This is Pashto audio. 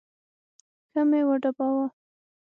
ښه مې وډباوه.